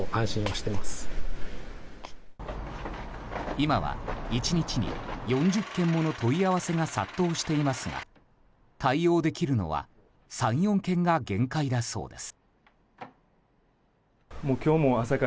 今は１日に４０件もの問い合わせが殺到していますが対応できるのは３４件が限界だそうです。